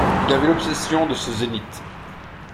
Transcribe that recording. Il avait l’obsession de ce zénith.